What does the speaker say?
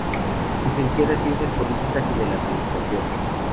Licenciada Ciencias Políticas y de la Administración.